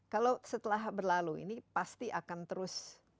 kalau setelah berlalu ini pasti akan terus